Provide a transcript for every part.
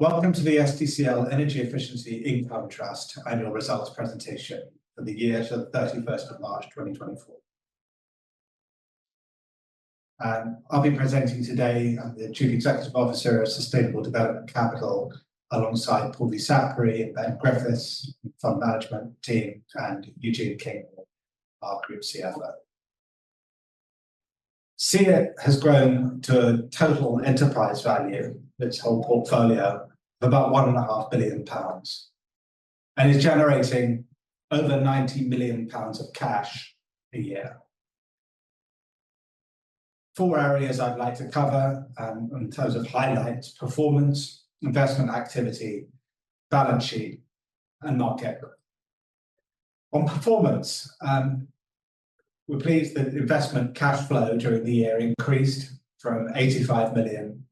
Welcome to the SDCL Energy Efficiency Income Trust Annual Results Presentation for the year to 31st March 2024. I'll be presenting today. I'm the Chief Executive Officer of Sustainable Development Capital, alongside Purvi Sapre, Ben Griffiths from the fund management team, and Eugene Kinghorn, our Group CFO. SEEIT has grown to a total enterprise value of its whole portfolio of about 1.5 billion pounds and is generating over 90 million pounds of cash a year. Four areas I'd like to cover in terms of highlights: performance, investment activity, balance sheet, and market. On performance, we're pleased that investment cash flow during the year increased from 85 million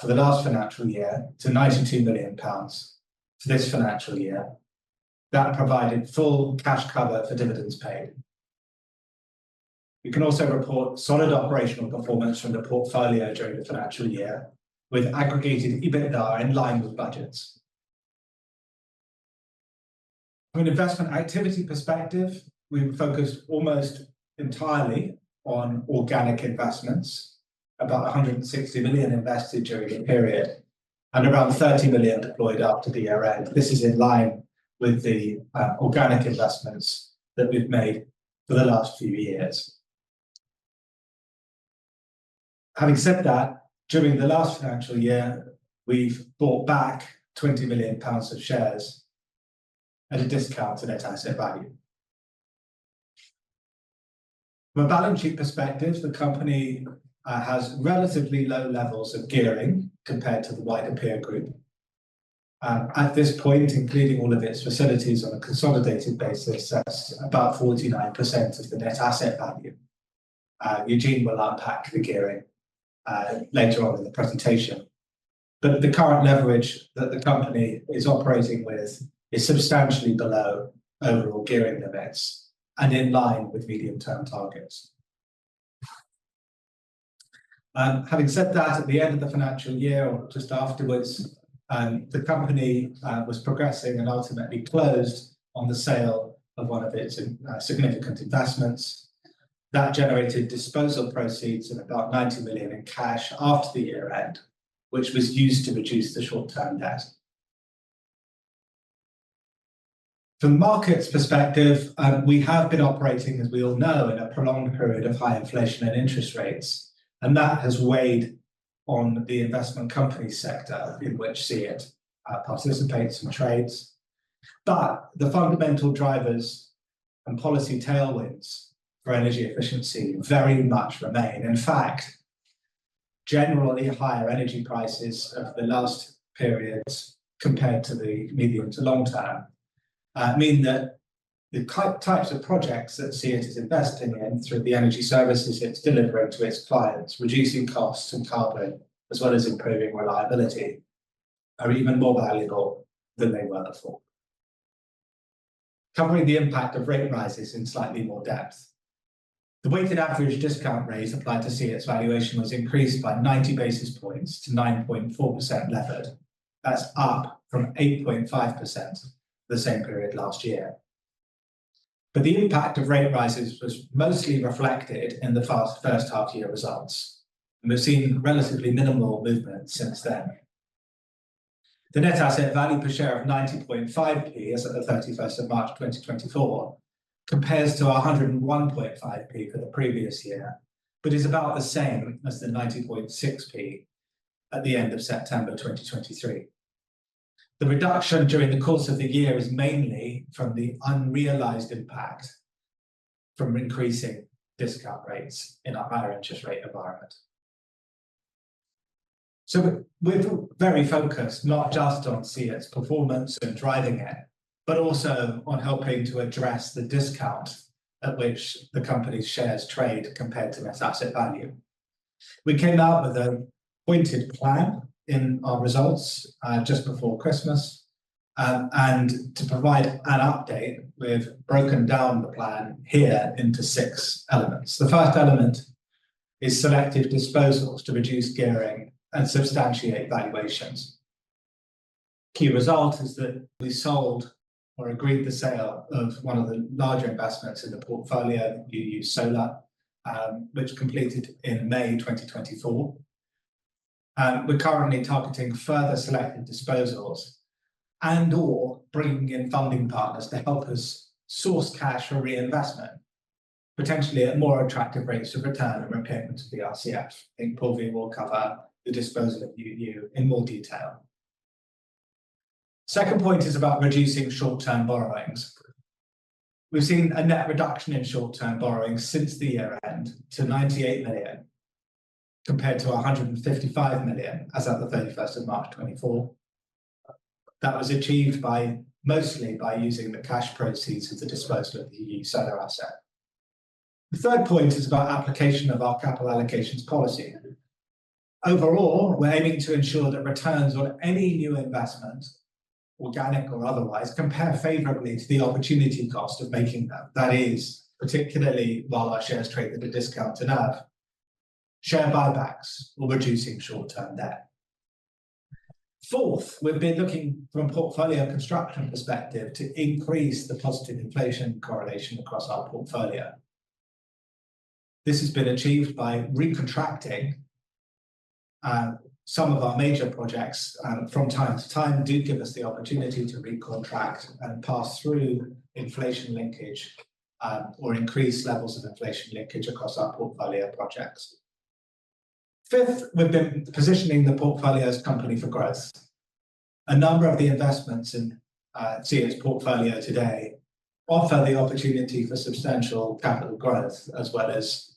for the last financial year to 92 million pounds for this financial year. That provided full cash cover for dividends paid. We can also report solid operational performance from the portfolio during the financial year, with aggregated EBITDA in line with budgets. From an investment activity perspective, we've focused almost entirely on organic investments: about 160 million invested during the period and around 30 million deployed after the year-end. This is in line with the organic investments that we've made for the last few years. Having said that, during the last financial year, we've bought back 20 million pounds of shares at a discount in its asset value. From a balance sheet perspective, the company has relatively low levels of gearing compared to the wider peer group. At this point, including all of its facilities on a consolidated basis, that's about 49% of the net asset value. Eugene will unpack the gearing later on in the presentation. The current leverage that the company is operating with is substantially below overall gearing limits and in line with medium-term targets. Having said that, at the end of the financial year, or just afterwards, the company was progressing and ultimately closed on the sale of one of its significant investments. That generated disposal proceeds of about 90 million in cash after the year-end, which was used to reduce the short-term debt. From markets perspective, we have been operating, as we all know, in a prolonged period of high inflation and interest rates, and that has weighed on the investment company sector in which SEEIT participates and trades. But the fundamental drivers and policy tailwinds for energy efficiency very much remain. In fact, generally higher energy prices over the last period compared to the medium to long term mean that the types of projects that SEEIT is investing in through the energy services it's delivering to its clients, reducing costs and carbon as well as improving reliability, are even more valuable than they were before. Covering the impact of rate rises in slightly more depth, the weighted average discount rate applied to SEEIT's valuation was increased by 90 basis points to 9.4% levered. That's up from 8.5% the same period last year. But the impact of rate rises was mostly reflected in the first half-year results, and we've seen relatively minimal movement since then. The net asset value per share of 0.905 is at the 31st March 2024, compares to our 1.015 for the previous year, but is about the same as the 0.906 at the end of September 2023. The reduction during the course of the year is mainly from the unrealized impact from increasing discount rates in our higher interest rate environment. So we're very focused not just on SEEIT's performance and driving it, but also on helping to address the discount at which the company's shares trade compared to net asset value. We came out with a pointed plan in our results just before Christmas, and to provide an update, we've broken down the plan here into six elements. The first element is selective disposals to reduce gearing and substantiate valuations. Key result is that we sold or agreed the sale of one of the larger investments in the portfolio, UU Solar, which completed in May 2024. We're currently targeting further selective disposals and/or bringing in funding partners to help us source cash for reinvestment, potentially at more attractive rates of return and repayment to the RCF. I think Purvi will cover the disposal of UU in more detail. Second point is about reducing short-term borrowings. We've seen a net reduction in short-term borrowing since the year-end to 98 million compared to 155 million as of 31st March 2024. That was achieved mostly by using the cash proceeds of the disposal of the UU Solar asset. The third point is about application of our capital allocations policy. Overall, we're aiming to ensure that returns on any new investment, organic or otherwise, compare favorably to the opportunity cost of making them. That is, particularly while our shares trade at a discount enough, share buybacks or reducing short-term debt. Fourth, we've been looking from a portfolio construction perspective to increase the positive inflation correlation across our portfolio. This has been achieved by recontracting some of our major projects from time to time. They do give us the opportunity to recontract and pass through inflation linkage or increase levels of inflation linkage across our portfolio projects. Fifth, we've been positioning the portfolio as a company for growth. A number of the investments in SEEIT's portfolio today offer the opportunity for substantial capital growth as well as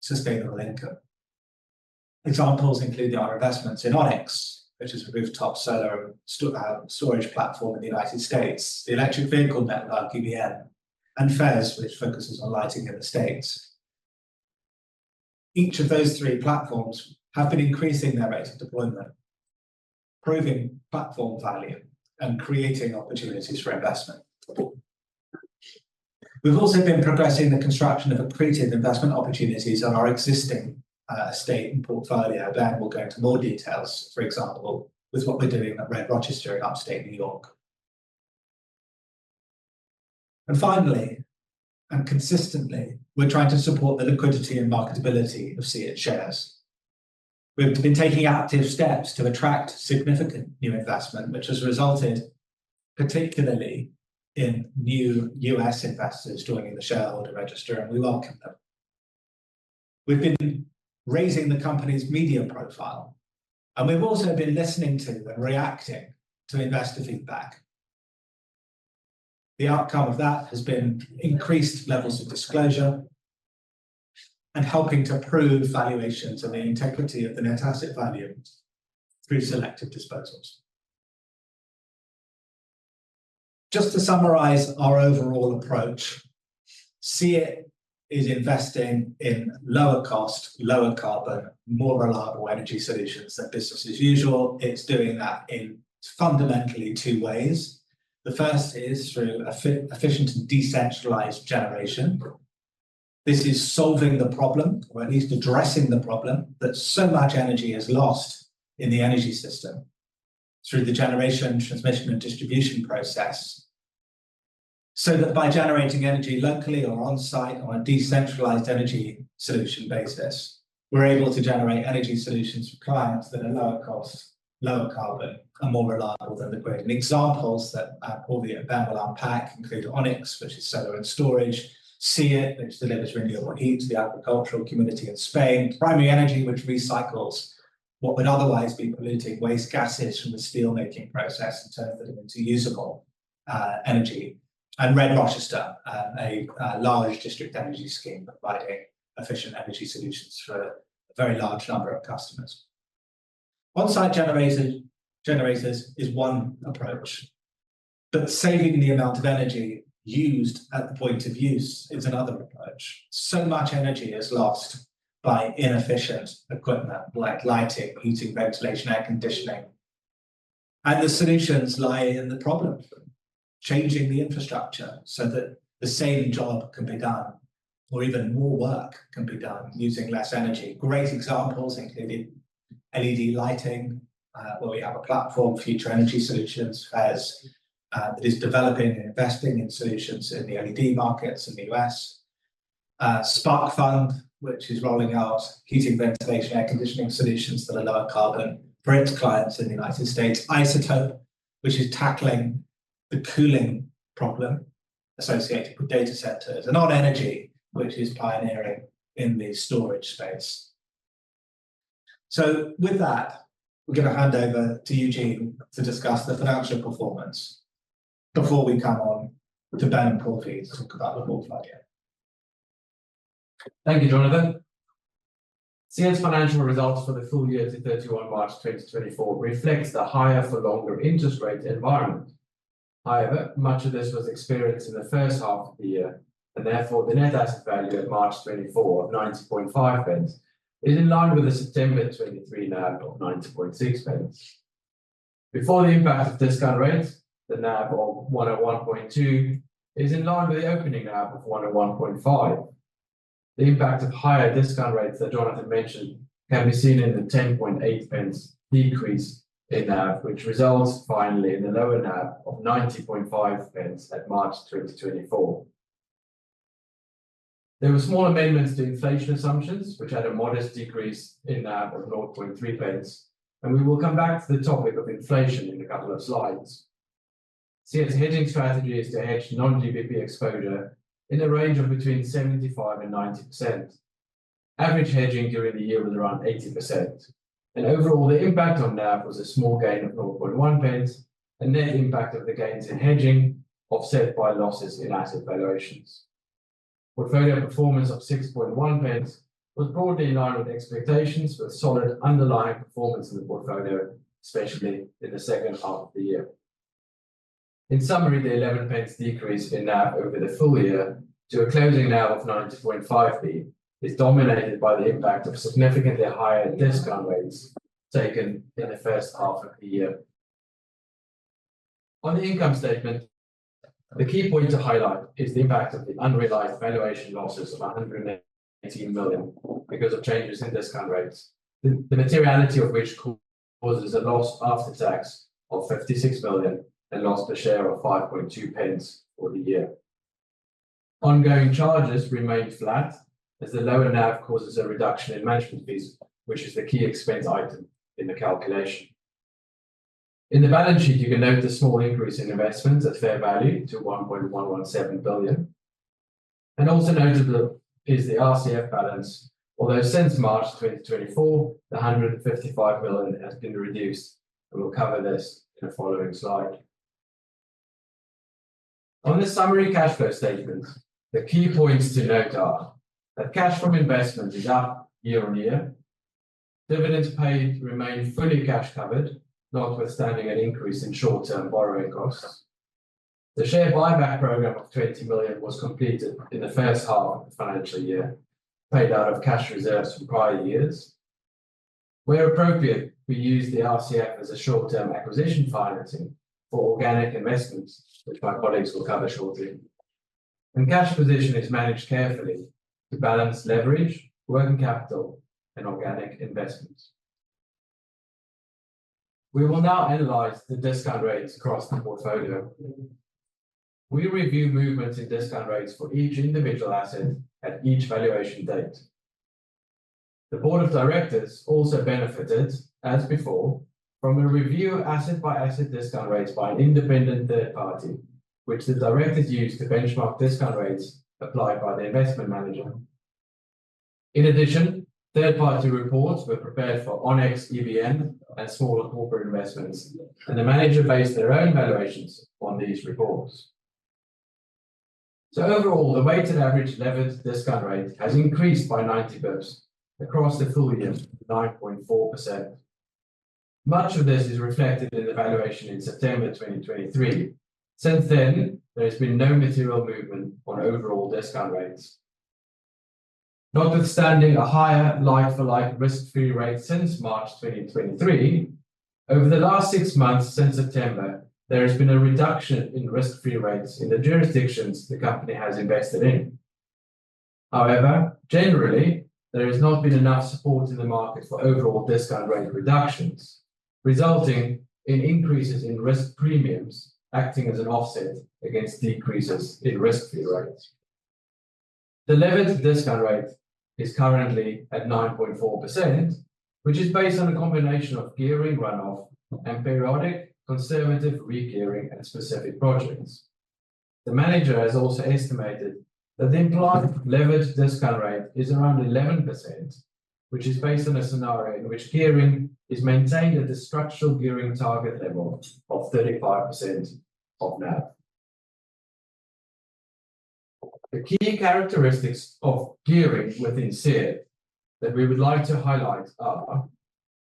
sustainable income. Examples include our investments in Onyx, which is a rooftop solar storage platform in the United States, the electric vehicle network, EVN, and FES, which focuses on lighting in the States. Each of those three platforms have been increasing their rates of deployment, proving platform value and creating opportunities for investment. We've also been progressing the construction of accretive investment opportunities on our existing estate and portfolio. Ben will go into more details, for example, with what we're doing at Red-Rochester in upstate New York. Finally, and consistently, we're trying to support the liquidity and marketability of SEEIT's shares. We've been taking active steps to attract significant new investment, which has resulted particularly in new U.S. investors joining the shareholder register, and we welcome them. We've been raising the company's media profile, and we've also been listening to and reacting to investor feedback. The outcome of that has been increased levels of disclosure and helping to prove valuations and the integrity of the net asset value through selective disposals. Just to summarize our overall approach, SEEIT is investing in lower cost, lower carbon, more reliable energy solutions than business as usual. It's doing that in fundamentally two ways. The first is through efficient and decentralized generation. This is solving the problem, or at least addressing the problem, that so much energy is lost in the energy system through the generation, transmission, and distribution process, so that by generating energy locally or on-site on a decentralized energy solution basis, we're able to generate energy solutions for clients that are lower cost, lower carbon, and more reliable than the grid. Examples that Purvi and Ben will unpack include Onyx, which is solar and storage, SEEIT, which delivers renewable heat to the agricultural community in Spain, Primary Energy, which recycles what would otherwise be polluting waste gases from the steelmaking process and turns it into usable energy, and RED-Rochester, a large district energy scheme providing efficient energy solutions for a very large number of customers. On-site generators is one approach, but saving the amount of energy used at the point of use is another approach. So much energy is lost by inefficient equipment like lighting, heating, ventilation, air conditioning, and the solutions lie in the problem of changing the infrastructure so that the same job can be done, or even more work can be done using less energy. Great examples include LED lighting, where we have a platform, Future Energy Solutions, that is developing and investing in solutions in the LED markets in the U.S., Sparkfund, which is rolling out heating, ventilation, air conditioning solutions that are lower carbon for its clients in the United States, Iceotope, which is tackling the cooling problem associated with data centers, and On.Energy, which is pioneering in the storage space. So with that, we're going to hand over to Eugene to discuss the financial performance before we come on to Ben and Purvi to talk about the portfolio. Thank you, Jonathan. SEEIT's financial results for the full year to 31 March 2024 reflects the higher-for-longer interest rate environment. However, much of this was experienced in the first half of the year, and therefore the net asset value at March 2024 of 0.905 is in line with the September 2023 NAV of 0.906. Before the impact of discount rates, the NAV of 101.2 is in line with the opening NAV of 101.5. The impact of higher discount rates that Jonathan mentioned can be seen in the 0.108 decrease in NAV, which results finally in the lower NAV of 0.905 at March 2024. There were small amendments to inflation assumptions, which had a modest decrease in NAV of 0.003, and we will come back to the topic of inflation in a couple of slides. SEEIT's hedging strategy is to hedge non-GBP exposure in the range of between 75% and 90%. Average hedging during the year was around 80%. Overall, the impact on NAV was a small gain of 0.001, and net impact of the gains in hedging offset by losses in asset valuations. Portfolio performance of 0.061 was broadly in line with expectations, with solid underlying performance in the portfolio, especially in the second half of the year. In summary, the 0.11 decrease in NAV over the full year to a closing NAV of 0.905 is dominated by the impact of significantly higher discount rates taken in the first half of the year. On the income statement, the key point to highlight is the impact of the unrealized valuation losses of 118 million because of changes in discount rates, the materiality of which causes a loss after tax of 56 million and loss per share of 0.052 for the year. Ongoing charges remain flat as the lower NAV causes a reduction in management fees, which is the key expense item in the calculation. In the balance sheet, you can note the small increase in investments at fair value to 1.117 billion. Also notable is the RCF balance, although since March 2024, the 155 million has been reduced, and we'll cover this in the following slide. On the summary cash flow statement, the key points to note are that cash from investments is up year-over-year, dividends paid remain fully cash covered, notwithstanding an increase in short-term borrowing costs. The share buyback program of 20 million was completed in the first half of the financial year, paid out of cash reserves from prior years. Where appropriate, we use the RCF as a short-term acquisition financing for organic investments, which my colleagues will cover shortly. Cash position is managed carefully to balance leverage, working capital, and organic investments. We will now analyze the discount rates across the portfolio. We review movements in discount rates for each individual asset at each valuation date. The board of directors also benefited, as before, from a review of asset-by-asset discount rates by an independent third party, which the directors use to benchmark discount rates applied by the investment manager. In addition, third-party reports were prepared for Onyx, EVN, and smaller corporate investments, and the manager based their own valuations on these reports. Overall, the weighted average leveraged discount rate has increased by 90 basis points across the full year, 9.4%. Much of this is reflected in the valuation in September 2023. Since then, there has been no material movement on overall discount rates. Notwithstanding a higher like-for-like risk-free rate since March 2023, over the last six months since September, there has been a reduction in risk-free rates in the jurisdictions the company has invested in. However, generally, there has not been enough support in the market for overall discount rate reductions, resulting in increases in risk premiums acting as an offset against decreases in risk-free rates. The leveraged discount rate is currently at 9.4%, which is based on a combination of gearing runoff and periodic conservative re-gearing at specific projects. The manager has also estimated that the implied leveraged discount rate is around 11%, which is based on a scenario in which gearing is maintained at the structural gearing target level of 35% of NAV. The key characteristics of gearing within SEEIT that we would like to highlight are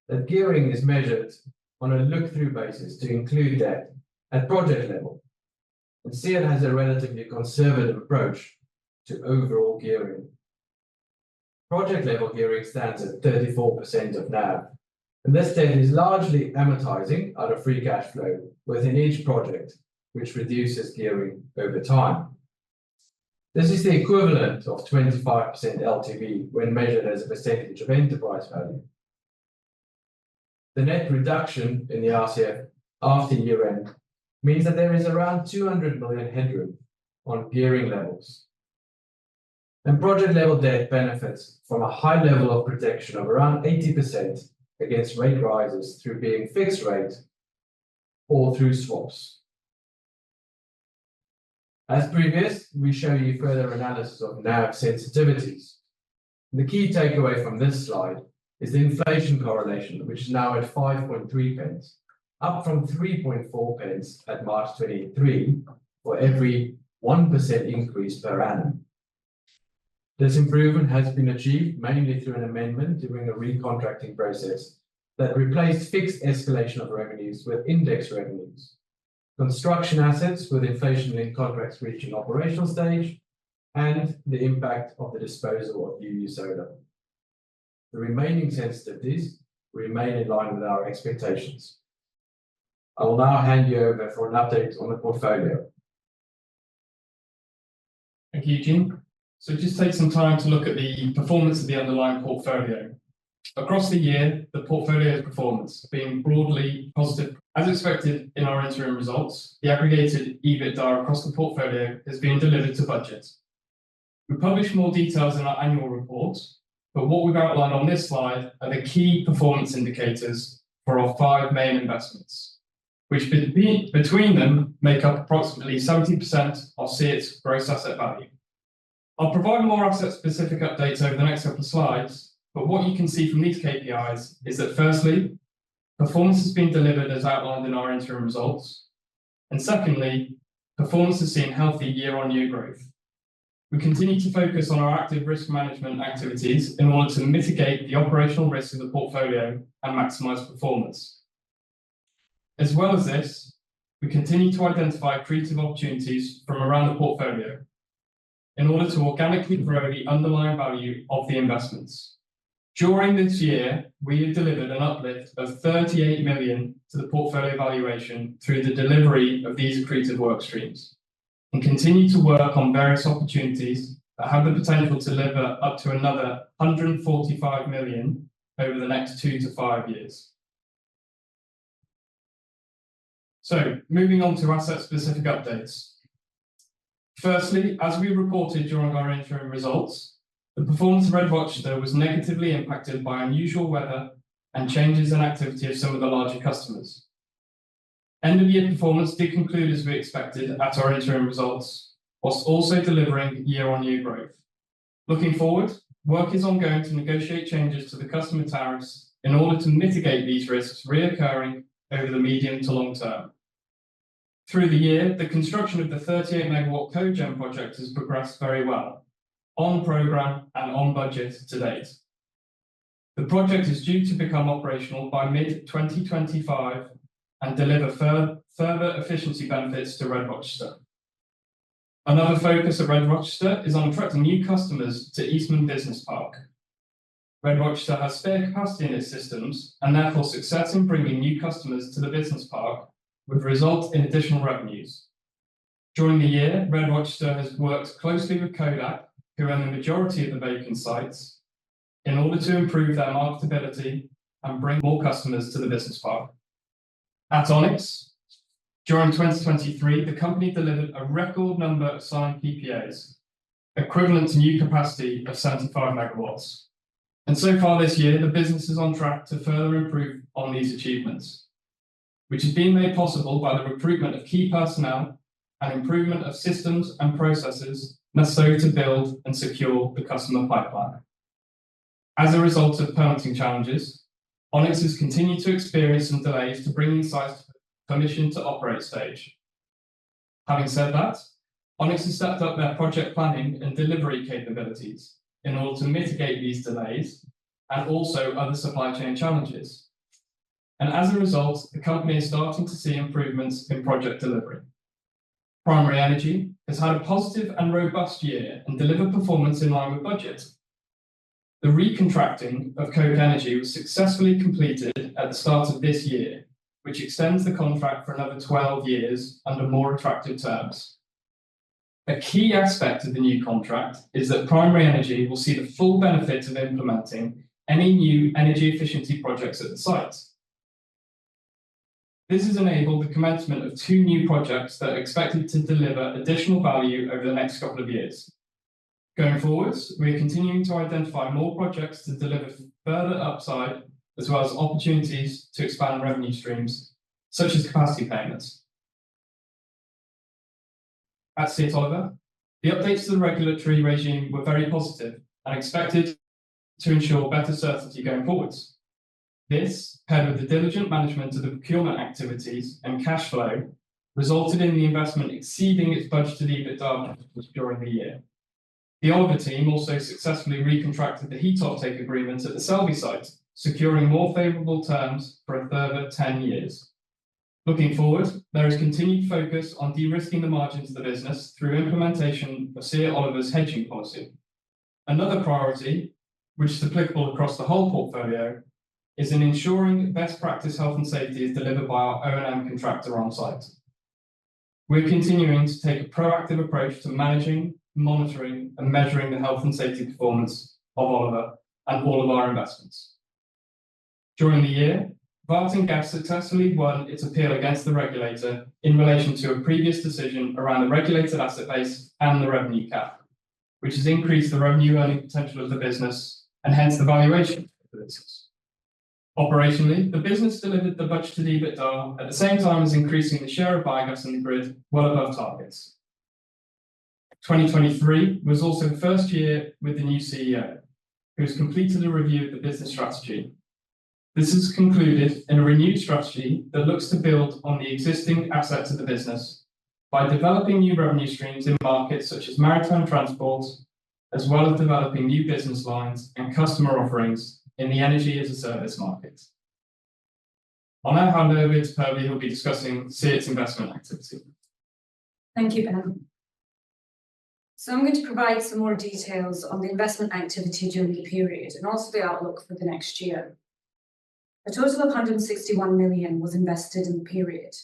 that gearing is measured on a look-through basis to include debt at project level, and SEEIT has a relatively conservative approach to overall gearing. Project-level gearing stands at 34% of NAV, and this debt is largely amortizing out of free cash flow within each project, which reduces gearing over time. This is the equivalent of 25% LTV when measured as a percentage of enterprise value. The net reduction in the RCF after year-end means that there is around 200 million headroom on gearing levels, and project-level debt benefits from a high level of protection of around 80% against rate rises through being fixed rate or through swaps. As previous, we show you further analysis of NAV sensitivities. The key takeaway from this slide is the inflation correlation, which is now at 0.053, up from 0.034 at March 2023 for every 1% increase per annum. This improvement has been achieved mainly through an amendment during a recontracting process that replaced fixed escalation of revenues with index revenues, construction assets with inflation linked contracts reaching operational stage, and the impact of the disposal of UU Solar. The remaining sensitivities remain in line with our expectations. I will now hand you over for an update on the portfolio. Thank you, Eugene. So just take some time to look at the performance of the underlying portfolio. Across the year, the portfolio's performance has been broadly positive. As expected in our interim results, the aggregated EBITDA across the portfolio has been delivered to budget. We publish more details in our annual report, but what we've outlined on this slide are the key performance indicators for our five main investments, which between them make up approximately 70% of SEEIT's gross asset value. I'll provide more asset-specific updates over the next couple of slides, but what you can see from these KPIs is that, firstly, performance has been delivered as outlined in our interim results, and secondly, performance has seen healthy year-on-year growth. We continue to focus on our active risk management activities in order to mitigate the operational risk of the portfolio and maximize performance. As well as this, we continue to identify creative opportunities from around the portfolio in order to organically grow the underlying value of the investments. During this year, we have delivered an uplift of 38 million to the portfolio valuation through the delivery of these creative workstreams and continue to work on various opportunities that have the potential to deliver up to another 145 million over the next two to five years. So moving on to asset-specific updates. Firstly, as we reported during our interim results, the performance of RED-Rochester was negatively impacted by unusual weather and changes in activity of some of the larger customers. End-of-year performance did conclude as we expected at our interim results, while also delivering year-over-year growth. Looking forward, work is ongoing to negotiate changes to the customer tariffs in order to mitigate these risks reoccurring over the medium to long term. Through the year, the construction of the 38-MW cogeneration project has progressed very well, on program and on budget to date. The project is due to become operational by mid-2025 and deliver further efficiency benefits to RED-Rochester. Another focus of RED-Rochester is on attracting new customers to Eastman Business Park. RED-Rochester has spare capacity in its systems, and therefore success in bringing new customers to the business park would result in additional revenues. During the year, RED-Rochester has worked closely with Kodak, who own the majority of the vacant sites, in order to improve their marketability and bring more customers to the business park. At Onyx, during 2023, the company delivered a record number of signed PPAs, equivalent to new capacity of 75 MW. So far this year, the business is on track to further improve on these achievements, which has been made possible by the recruitment of key personnel and improvement of systems and processes necessary to build and secure the customer pipeline. As a result of permitting challenges, Onyx has continued to experience some delays to bringing sites to the commission-to-operate stage. Having said that, Onyx has stepped up their project planning and delivery capabilities in order to mitigate these delays and also other supply chain challenges. As a result, the company is starting to see improvements in project delivery. Primary Energy has had a positive and robust year and delivered performance in line with budget. The recontracting of Cokenergy was successfully completed at the start of this year, which extends the contract for another 12 years under more attractive terms. A key aspect of the new contract is that Primary Energy will see the full benefit of implementing any new energy efficiency projects at the site. This has enabled the commencement of two new projects that are expected to deliver additional value over the next couple of years. Going forward, we are continuing to identify more projects to deliver further upside as well as opportunities to expand revenue streams, such as capacity payments. At SEEITT Oliva, the updates to the regulatory regime were very positive and expected to ensure better certainty going forward. This, paired with the diligent management of the procurement activities and cash flow, resulted in the investment exceeding its budgeted EBITDA during the year. The Oliva team also successfully recontracted the heat offtake agreement at the Selby site, securing more favorable terms for a further 10 years. Looking forward, there is continued focus on de-risking the margins of the business through implementation of SEEIT's Oliva hedging policy. Another priority, which is applicable across the whole portfolio, is ensuring best practice health and safety is delivered by our O&M contractor on site. We are continuing to take a proactive approach to managing, monitoring, and measuring the health and safety performance of O&M and all of our investments. During the year, Värtan Gas successfully won its appeal against the regulator in relation to a previous decision around the regulated asset base and the revenue cap, which has increased the revenue earning potential of the business and hence the valuation of the business. Operationally, the business delivered the budgeted EBITDA at the same time as increasing the share of biogas in the grid well above targets. 2023 was also the first year with the new CEO, who has completed a review of the business strategy. This has concluded in a renewed strategy that looks to build on the existing assets of the business by developing new revenue streams in markets such as maritime transport, as well as developing new business lines and customer offerings in the energy-as-a-service market. I'll now hand over to Purvi, who will be discussing SEEIT's investment activity. Thank you, Ben. So I'm going to provide some more details on the investment activity during the period and also the outlook for the next year. A total of 161 million was invested in the period.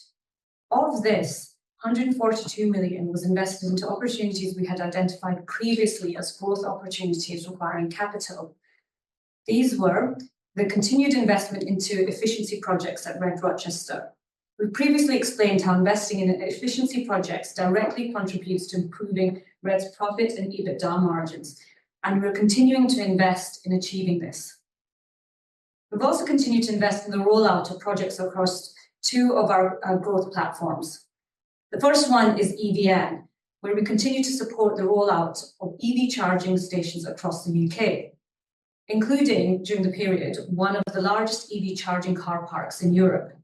Of this, 142 million was invested into opportunities we had identified previously as growth opportunities requiring capital. These were the continued investment into efficiency projects at RED-Rochester. We previously explained how investing in efficiency projects directly contributes to improving RED's profits and EBITDA margins, and we're continuing to invest in achieving this. We've also continued to invest in the rollout of projects across two of our growth platforms. The first one is EVN, where we continue to support the rollout of EV charging stations across the U.K., including, during the period, one of the largest EV charging car parks in Europe.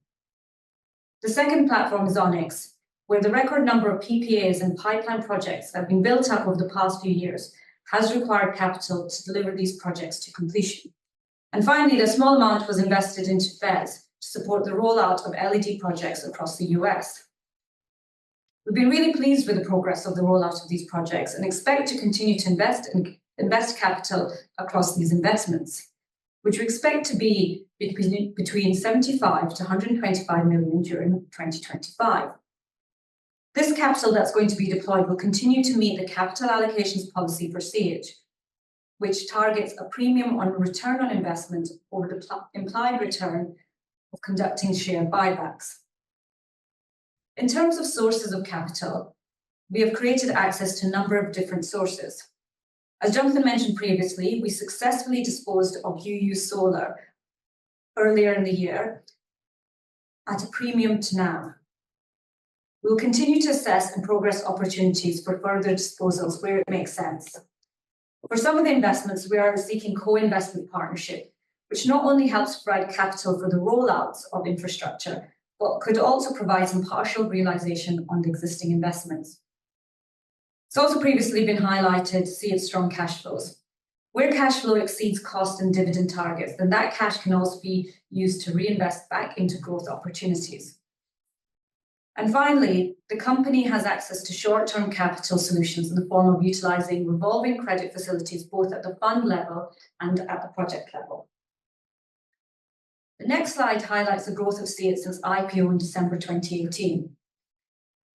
The second platform is Onyx, where the record number of PPAs and pipeline projects that have been built up over the past few years has required capital to deliver these projects to completion. And finally, a small amount was invested into FES to support the rollout of LED projects across the U.S. We've been really pleased with the progress of the rollout of these projects and expect to continue to invest capital across these investments, which we expect to be between 75 million-125 million during 2025. This capital that's going to be deployed will continue to meet the capital allocations policy for SEEIT, which targets a premium on return on investment or the implied return of conducting share buybacks. In terms of sources of capital, we have created access to a number of different sources. As Jonathan mentioned previously, we successfully disposed of UU Solar earlier in the year at a premium to NAV. We'll continue to assess and progress opportunities for further disposals where it makes sense. For some of the investments, we are seeking co-investment partnership, which not only helps provide capital for the rollout of infrastructure, but could also provide some partial realization on the existing investments. It's also previously been highlighted to see its strong cash flows. Where cash flow exceeds cost and dividend targets, then that cash can also be used to reinvest back into growth opportunities. And finally, the company has access to short-term capital solutions in the form of utilizing revolving credit facilities, both at the fund level and at the project level. The next slide highlights the growth of SEEIT since IPO in December 2018.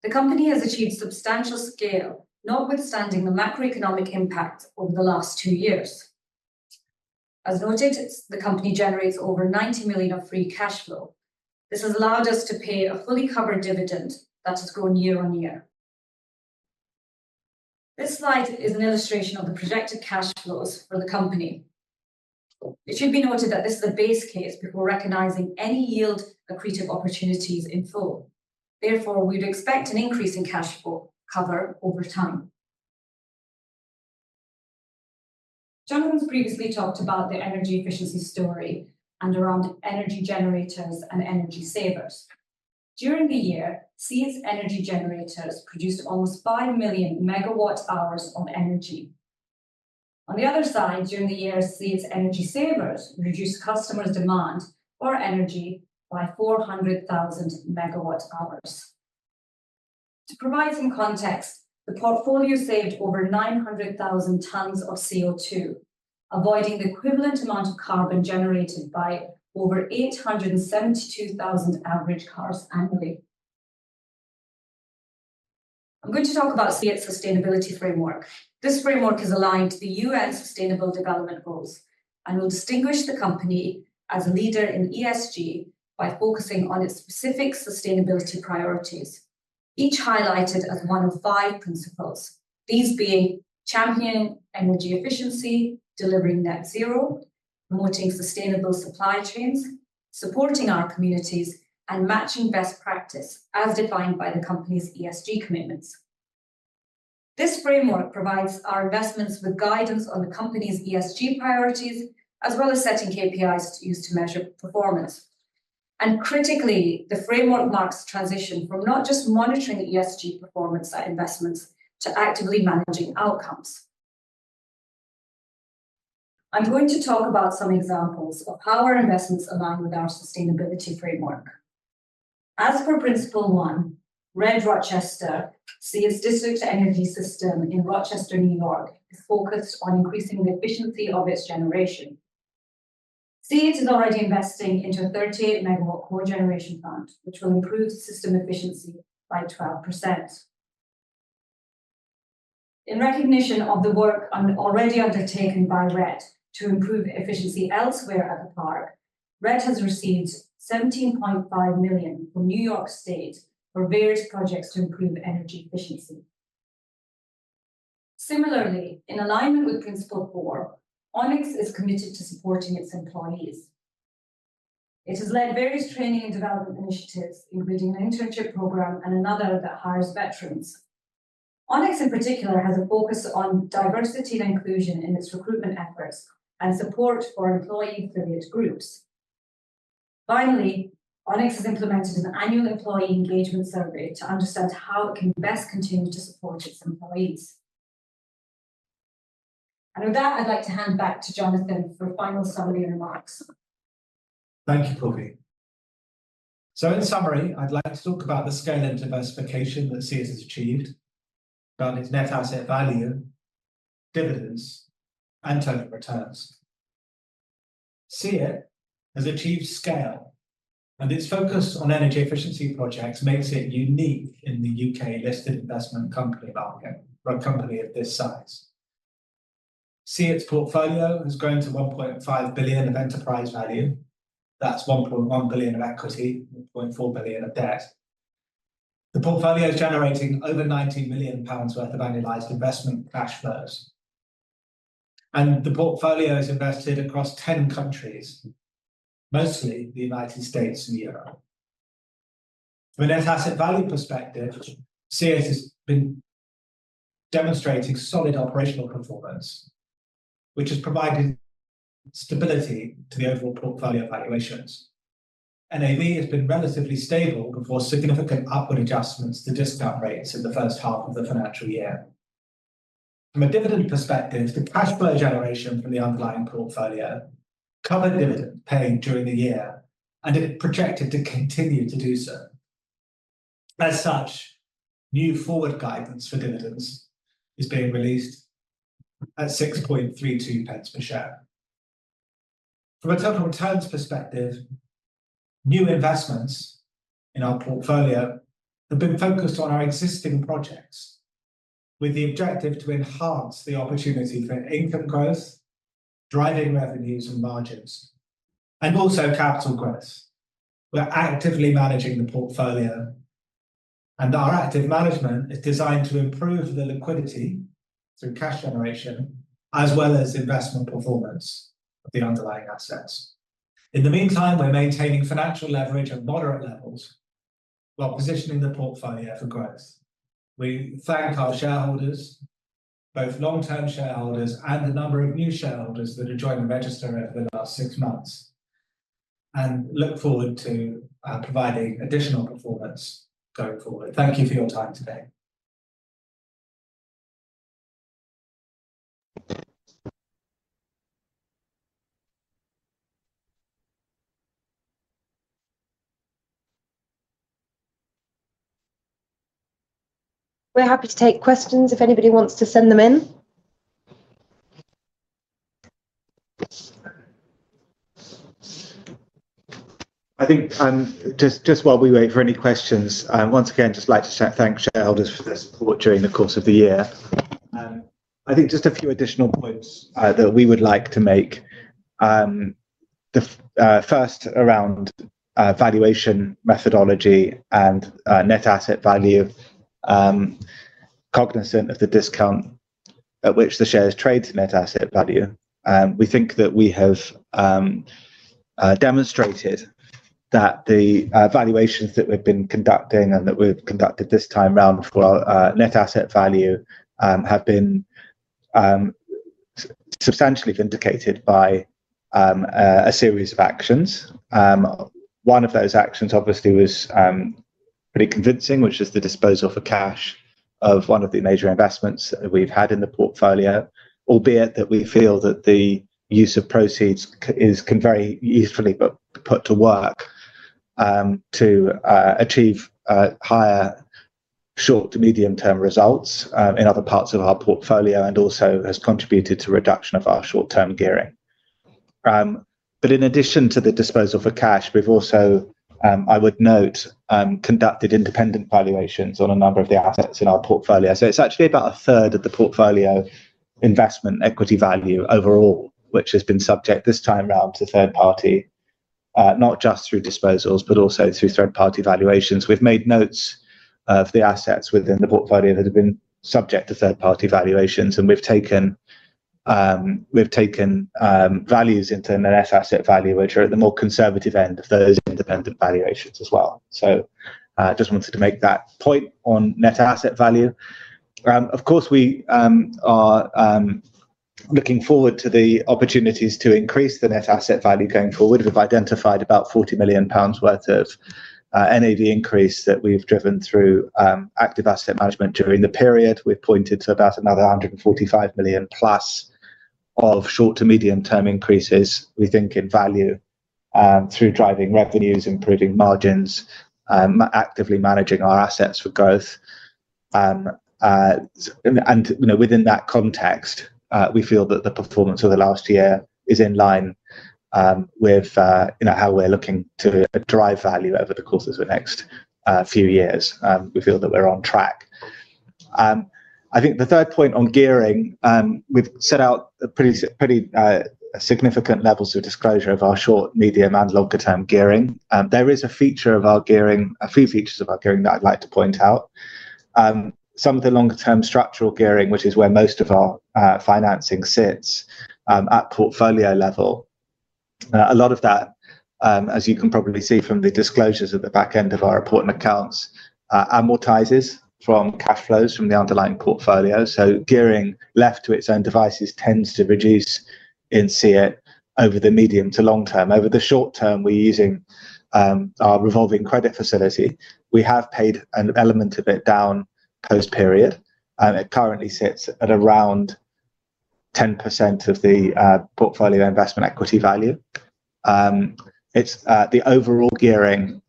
The company has achieved substantial scale, notwithstanding the macroeconomic impact over the last two years. As noted, the company generates over 90 million of free cash flow. This has allowed us to pay a fully covered dividend that has grown year on year. This slide is an illustration of the projected cash flows for the company. It should be noted that this is a base case before recognizing any yield accretive opportunities in full. Therefore, we would expect an increase in cash flow cover over time. Jonathan's previously talked about the energy efficiency story and around energy generators and energy savers. During the year, SEEIT's energy generators produced almost 5 million megawatt-hours of energy. On the other side, during the year, SEEIT's energy savers reduced customers' demand for energy by 400,000 MWh. To provide some context, the portfolio saved over 900,000 tons of CO₂, avoiding the equivalent amount of carbon generated by over 872,000 average cars annually. I'm going to talk about SEEIT's sustainability framework. This framework is aligned to the UN Sustainable Development Goals and will distinguish the company as a leader in ESG by focusing on its specific sustainability priorities, each highlighted as one of five principles, these being championing energy efficiency, delivering net zero, promoting sustainable supply chains, supporting our communities, and matching best practice as defined by the company's ESG commitments. This framework provides our investments with guidance on the company's ESG priorities, as well as setting KPIs used to measure performance. And critically, the framework marks the transition from not just monitoring ESG performance at investments to actively managing outcomes. I'm going to talk about some examples of how our investments align with our sustainability framework. As for Principle One, RED-Rochester, SEEIT's district energy system in Rochester, New York, is focused on increasing the efficiency of its generation. SEEIT is already investing into a 38 MW cogeneration plant, which will improve system efficiency by 12%. In recognition of the work already undertaken by RED to improve efficiency elsewhere at the park, RED has received 17.5 million from New York State for various projects to improve energy efficiency. Similarly, in alignment with Principle Four, Onyx is committed to supporting its employees. It has led various training and development initiatives, including an internship program and another that hires veterans. Onyx, in particular, has a focus on diversity and inclusion in its recruitment efforts and support for employee affiliate groups. Finally, Onyx has implemented an annual employee engagement survey to understand how it can best continue to support its employees. With that, I'd like to hand back to Jonathan for a final summary and remarks. Thank you, Purvi. So in summary, I'd like to talk about the scale and diversification that SEEIT has achieved from its net asset value, dividends, and total returns. SEEIT has achieved scale, and its focus on energy efficiency projects makes it unique in the U.K.-listed investment company market for a company of this size. SEEIT's portfolio has grown to 1.5 billion of enterprise value. That's 1.1 billion of equity, 1.4 billion of debt. The portfolio is generating over 90 million pounds worth of annualized investment cash flows. The portfolio is invested across 10 countries, mostly the United States and Europe. From a net asset value perspective, SEEIT has been demonstrating solid operational performance, which has provided stability to the overall portfolio valuations. NAV has been relatively stable before significant upward adjustments to discount rates in the first half of the financial year. From a dividend perspective, the cash flow generation from the underlying portfolio covered dividend pay during the year, and it projected to continue to do so. As such, new forward guidance for dividends is being released at 0.0632 per share. From a total returns perspective, new investments in our portfolio have been focused on our existing projects with the objective to enhance the opportunity for income growth, driving revenues and margins, and also capital growth. We're actively managing the portfolio, and our active management is designed to improve the liquidity through cash generation as well as investment performance of the underlying assets. In the meantime, we're maintaining financial leverage at moderate levels while positioning the portfolio for growth. We thank our shareholders, both long-term shareholders and the number of new shareholders that have joined the register over the last six months, and look forward to providing additional performance going forward. Thank you for your time today. We're happy to take questions if anybody wants to send them in. I think just while we wait for any questions, once again, I'd just like to thank shareholders for their support during the course of the year. I think just a few additional points that we would like to make. First, around valuation methodology and net asset value, cognizant of the discount at which the shares trade to net asset value. We think that we have demonstrated that the valuations that we've been conducting and that we've conducted this time around for net asset value have been substantially vindicated by a series of actions. One of those actions, obviously, was pretty convincing, which is the disposal for cash of one of the major investments that we've had in the portfolio, albeit that we feel that the use of proceeds can very usefully be put to work to achieve higher short- to medium-term results in other parts of our portfolio and also has contributed to reduction of our short-term gearing. But in addition to the disposal for cash, we've also, I would note, conducted independent valuations on a number of the assets in our portfolio. So it's actually about a third of the portfolio investment equity value overall, which has been subject this time around to third party, not just through disposals, but also through third party valuations. We've made notes of the assets within the portfolio that have been subject to third party valuations, and we've taken values into net asset value, which are at the more conservative end of those independent valuations as well. So I just wanted to make that point on net asset value. Of course, we are looking forward to the opportunities to increase the net asset value going forward. We've identified about 40 million pounds worth of NAV increase that we've driven through active asset management during the period. We've pointed to about another 145 million plus of short to medium-term increases, we think, in value through driving revenues, improving margins, actively managing our assets for growth. And within that context, we feel that the performance of the last year is in line with how we're looking to drive value over the course of the next few years. We feel that we're on track. I think the third point on gearing, we've set out pretty significant levels of disclosure of our short, medium, and longer-term gearing. There is a feature of our gearing, a few features of our gearing that I'd like to point out. Some of the longer-term structural gearing, which is where most of our financing sits at portfolio level. A lot of that, as you can probably see from the disclosures at the back end of our report and accounts, amortizes from cash flows from the underlying portfolio. So gearing left to its own devices tends to reduce in SEEIT over the medium to long term. Over the short term, we're using our revolving credit facility. We have paid an element of it down post-period. It currently sits at around 10% of the portfolio investment equity value. The overall gearing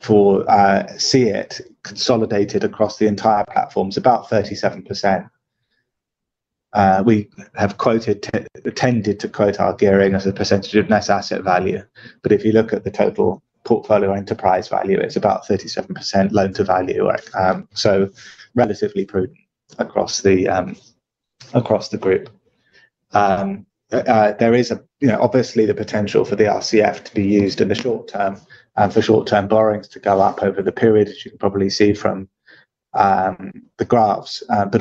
for SEEIT consolidated across the entire platform is about 37%. We have tended to quote our gearing as a percentage of net asset value. But if you look at the total portfolio enterprise value, it's about 37% loan to value, so relatively prudent across the group. There is obviously the potential for the RCF to be used in the short term for short-term borrowings to go up over the period, as you can probably see from the graphs, but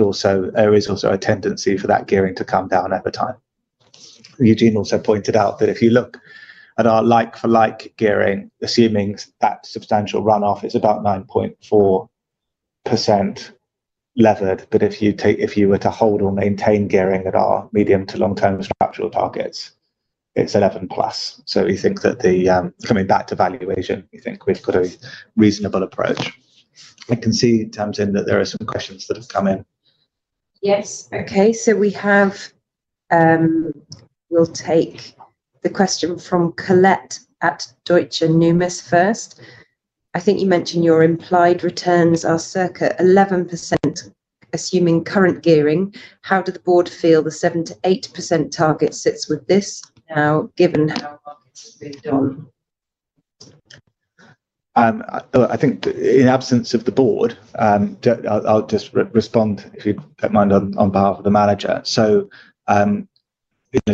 there is also a tendency for that gearing to come down over time. Eugene also pointed out that if you look at our like-for-like gearing, assuming that substantial run-off, it's about 9.4% levered. But if you were to hold or maintain gearing at our medium to long-term structural targets, it's 11%+. So we think that coming back to valuation, we think we've got a reasonable approach. I can see it comes in that there are some questions that have come in. Yes. Okay. So we'll take the question from Colette at Deutsche Numis first. I think you mentioned your implied returns are circa 11%, assuming current gearing. How do the board feel the 7%-8% target sits with this now, given how markets have moved on? I think in absence of the board, I'll just respond, if you don't mind, on behalf of the manager. So in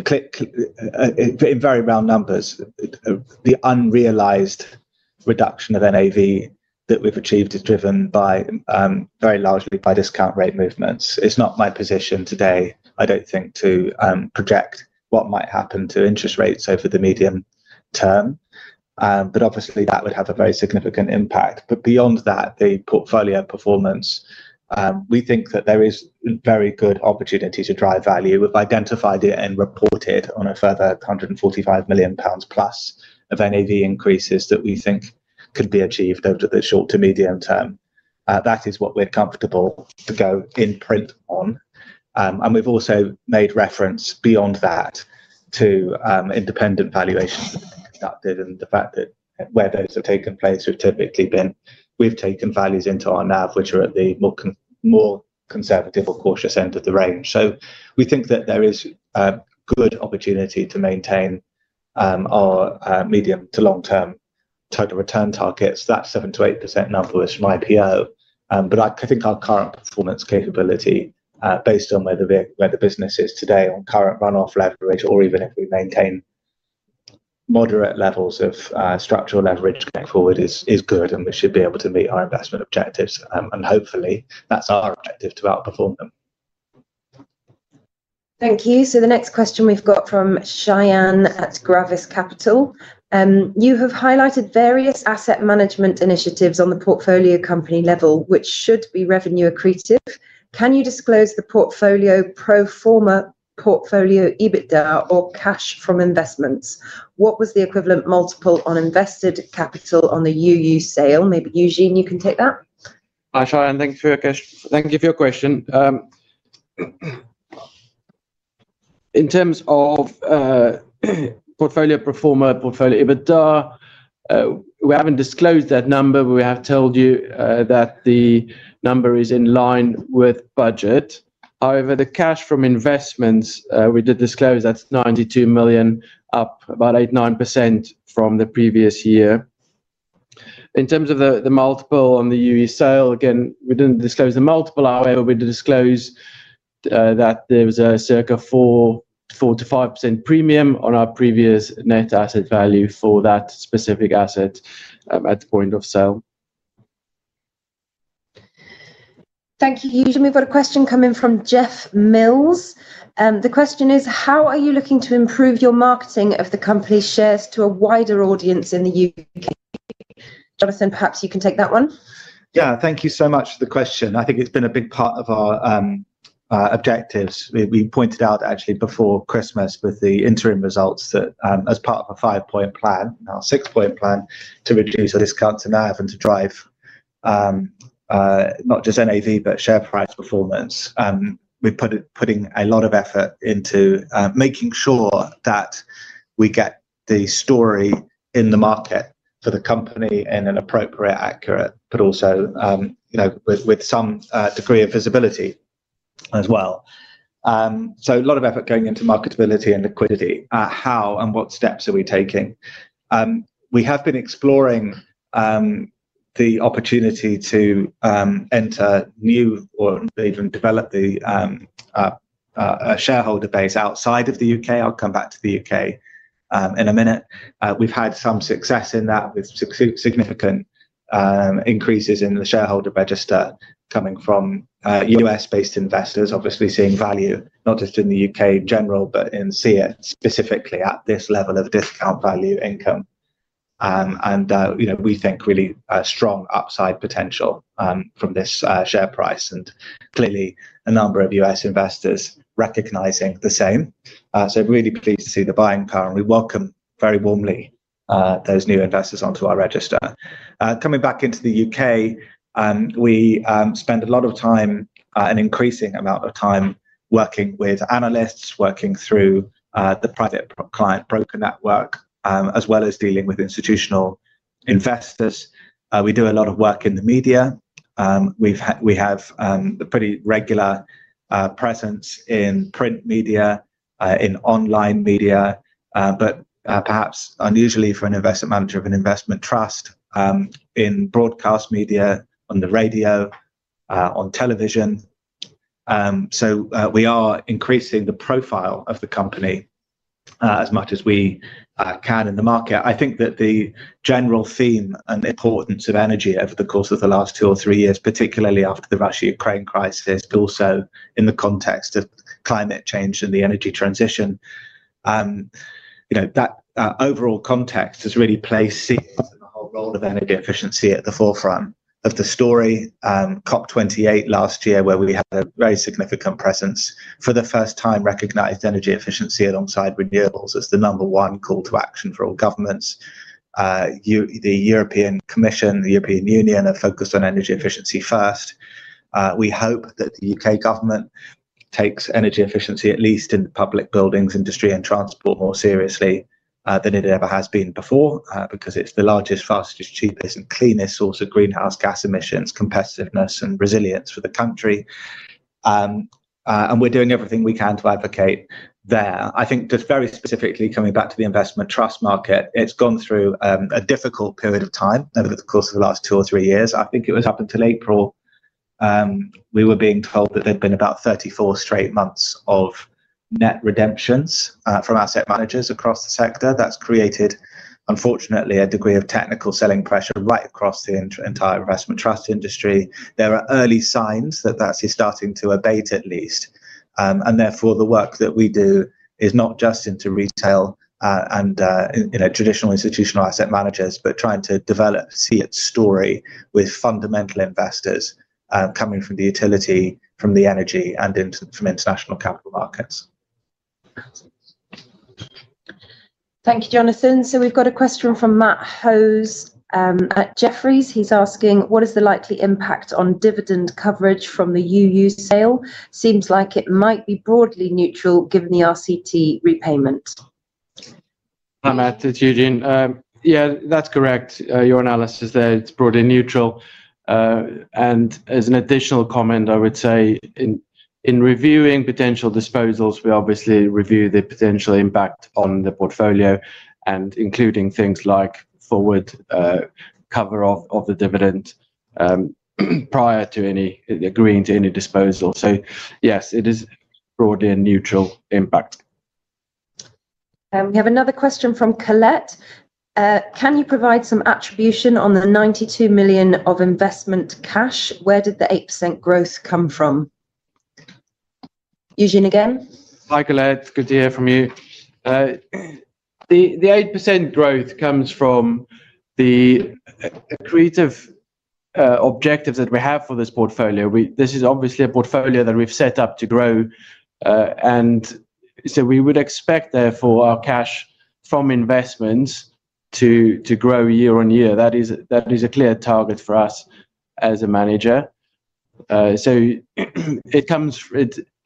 very round numbers, the unrealized reduction of NAV that we've achieved is driven very largely by discount rate movements. It's not my position today, I don't think, to project what might happen to interest rates over the medium term. But obviously, that would have a very significant impact. But beyond that, the portfolio performance, we think that there is very good opportunity to drive value. We've identified it and reported on a further 145 million pounds plus of NAV increases that we think could be achieved over the short to medium term. That is what we're comfortable to go in print on. We've also made reference beyond that to independent valuations that have been conducted and the fact that where those have taken place, we've taken values into our NAV, which are at the more conservative or cautious end of the range. So we think that there is good opportunity to maintain our medium- to long-term total return targets. That 7%-8% number was from IPO. But I think our current performance capability, based on where the business is today on current run-off leverage, or even if we maintain moderate levels of structural leverage going forward, is good, and we should be able to meet our investment objectives. And hopefully, that's our objective to outperform them. Thank you. So the next question we've got from Shayan at Gravis Capital. You have highlighted various asset management initiatives on the portfolio company level, which should be revenue accretive. Can you disclose the portfolio pro forma portfolio EBITDA or cash from investments? What was the equivalent multiple on invested capital on the UU sale? Maybe Eugene, you can take that. Hi, Shayan. Thank you for your question. In terms of portfolio pro forma portfolio EBITDA, we haven't disclosed that number, but we have told you that the number is in line with budget. However, the cash from investments, we did disclose that's 92 million, up about 8%-9% from the previous year. In terms of the multiple on the UU sale, again, we didn't disclose the multiple. However, we did disclose that there was a circa 4%-5% premium on our previous net asset value for that specific asset at the point of sale. Thank you. Eugene, we've got a question coming from Jeff Mills. The question is, how are you looking to improve your marketing of the company's shares to a wider audience in the U.K.? Jonathan, perhaps you can take that one. Yeah. Thank you so much for the question. I think it's been a big part of our objectives. We pointed out, actually, before Christmas with the interim results that as part of a five-point plan, our six-point plan to reduce the discount to NAV and to drive not just NAV, but share price performance. We're putting a lot of effort into making sure that we get the story in the market for the company in an appropriate, accurate, but also with some degree of visibility as well. So a lot of effort going into marketability and liquidity. How and what steps are we taking? We have been exploring the opportunity to enter new or even develop a shareholder base outside of the U.K. I'll come back to the U.K. in a minute. We've had some success in that with significant increases in the shareholder register coming from U.S.-based investors, obviously seeing value not just in the U.K. in general, but in SEEIT specifically at this level of discount value income. We think really strong upside potential from this share price and clearly a number of U.S. investors recognizing the same. Really pleased to see the buying power, and we welcome very warmly those new investors onto our register. Coming back into the U.K., we spend a lot of time and increasing amount of time working with analysts, working through the private client broker network, as well as dealing with institutional investors. We do a lot of work in the media. We have a pretty regular presence in print media, in online media, but perhaps unusually for an investment manager of an investment trust, in broadcast media, on the radio, on television. So we are increasing the profile of the company as much as we can in the market. I think that the general theme and importance of energy over the course of the last two or three years, particularly after the Russia-Ukraine crisis, but also in the context of climate change and the energy transition, that overall context has really placed the whole role of energy efficiency at the forefront of the story. COP28 last year, where we had a very significant presence, for the first time recognized energy efficiency alongside renewables as the number one call to action for all governments. The European Commission, the European Union have focused on energy efficiency first. We hope that the U.K. government takes energy efficiency, at least in public buildings, industry, and transport, more seriously than it ever has been before, because it's the largest, fastest, cheapest, and cleanest source of greenhouse gas emissions, competitiveness, and resilience for the country. We're doing everything we can to advocate there. I think just very specifically coming back to the investment trust market, it's gone through a difficult period of time over the course of the last two or three years. I think it was up until April we were being told that there had been about 34 straight months of net redemptions from asset managers across the sector. That's created, unfortunately, a degree of technical selling pressure right across the entire investment trust industry. There are early signs that that's starting to abate, at least. Therefore, the work that we do is not just into retail and traditional institutional asset managers, but trying to develop SEEIT's story with fundamental investors coming from the utility, from the energy, and from international capital markets. Thank you, Jonathan. We've got a question from Matt Hose at Jefferies. He's asking, what is the likely impact on dividend coverage from the UU sale? Seems like it might be broadly neutral given the RCT repayment. Hi, Matt, it's Eugene. Yeah, that's correct. Your analysis there, it's broadly neutral. As an additional comment, I would say in reviewing potential disposals, we obviously review the potential impact on the portfolio and including things like forward cover of the dividend prior to agreeing to any disposal. So yes, it is broadly a neutral impact. We have another question from Colette. Can you provide some attribution on the 92 million of investment cash? Where did the 8% growth come from? Eugene again. Hi, Colette. It's good to hear from you. The 8% growth comes from the accretive objectives that we have for this portfolio. This is obviously a portfolio that we've set up to grow. And so we would expect, therefore, our cash from investments to grow year on year. That is a clear target for us as a manager. So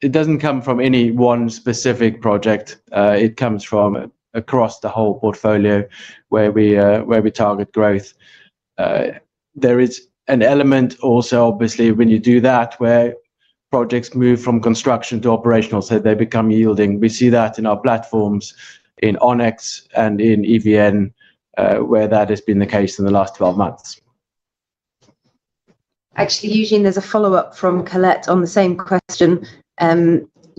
it doesn't come from any one specific project. It comes from across the whole portfolio where we target growth. There is an element also, obviously, when you do that, where projects move from construction to operational so they become yielding. We see that in our platforms, in Onyx and in EVN, where that has been the case in the last 12 months. Actually, Eugene, there's a follow-up from Colette on the same question.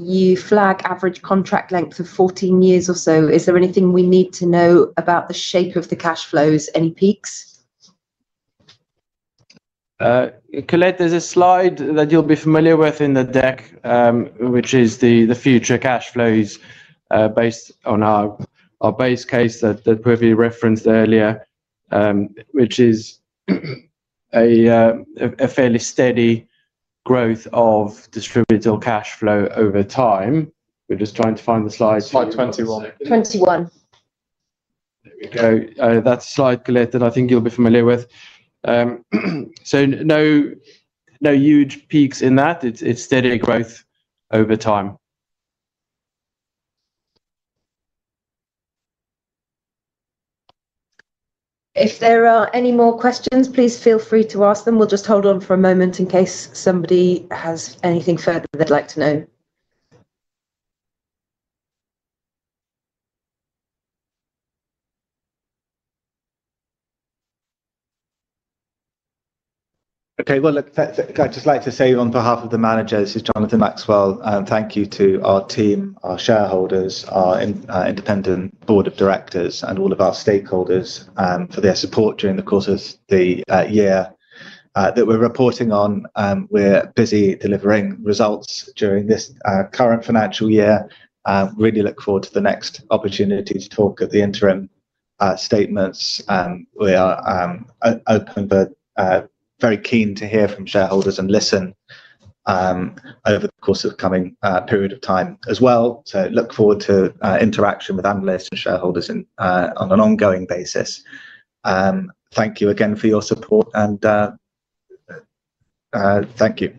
You flag average contract length of 14 years or so. Is there anything we need to know about the shape of the cash flows? Any peaks? Colette, there's a slide that you'll be familiar with in the deck, which is the future cash flows based on our base case that we referenced earlier, which is a fairly steady growth of distributable cash flow over time. We're just trying to find the slide. Slide 21. There we go. That's a slide, Colette, that I think you'll be familiar with. So no huge peaks in that. It's steady growth over time. If there are any more questions, please feel free to ask them. We'll just hold on for a moment in case somebody has anything further they'd like to know. Okay. Well, look, I'd just like to say on behalf of the managers, this is Jonathan Maxwell. Thank you to our team, our shareholders, our independent board of directors, and all of our stakeholders for their support during the course of the year that we're reporting on. We're busy delivering results during this current financial year. Really look forward to the next opportunity to talk at the interim statements. We are open but very keen to hear from shareholders and listen over the course of the coming period of time as well. So look forward to interaction with analysts and shareholders on an ongoing basis. Thank you again for your support, and thank you.